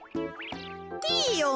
ピーヨン